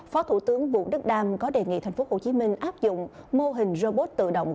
phó thủ tướng vũ đức đam có đề nghị thành phố hồ chí minh áp dụng mô hình robot tự động